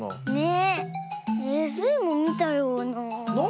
えっスイもみたような。